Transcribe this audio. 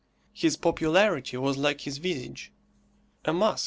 His popularity was like his visage a mask.